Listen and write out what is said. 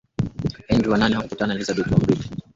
henry wa nane hakutaka elizabeth kuwa mrithi wa cheo chake